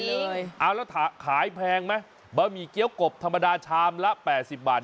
เอาแล้วขายแพงไหมบะหมี่เกี้ยวกบธรรมดาชามละ๘๐บาท